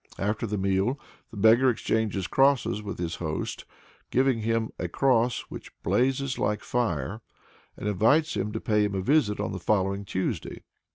After the meal the beggar exchanges crosses with his host, giving him "a cross which blazes like fire," and invites him to pay him a visit on the following Tuesday.